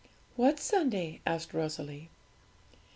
'What Sunday?' asked Rosalie.